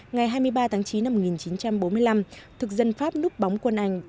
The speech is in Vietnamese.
ngày hai mươi ba tháng chín năm một nghìn chín trăm bốn mươi năm thực dân pháp núp bóng quân anh